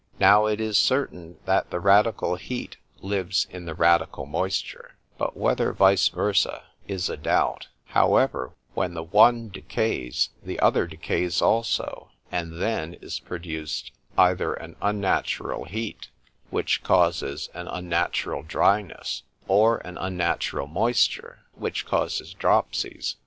Now it is certain, that the radical heat lives in the radical moisture, but whether vice versa, is a doubt: however, when the one decays, the other decays also; and then is produced, either an unnatural heat, which causes an unnatural dryness——or an unnatural moisture, which causes dropsies.